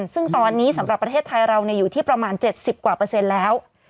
ซึ่งตอนนี้สำหรับประเทศไทยเราอยู่ที่ประมาณ๗๐กว่าเปอร์เซ็นต์แล้ว